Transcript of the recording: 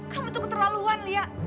kamu itu keterlaluan lia